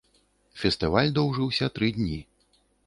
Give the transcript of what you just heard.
Фестываль доўжыўся тры дні.